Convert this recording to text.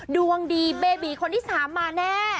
ดวงดีเบบีคนที่๓มาแน่